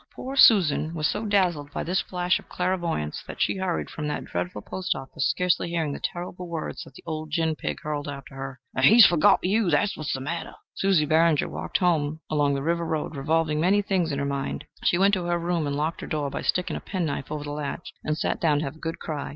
Poor Susan was so dazzled by this flash of clairvoyance that she hurried from that dreadful post office, scarcely hearing the terrible words that the old gin pig hurled after her: "And he's forgot you! that's what's the matter." Susie Barringer walked home along the river road, revolving many things in her mind. She went to her room and locked her door by sticking a pen knife over the latch, and sat down to have a good cry.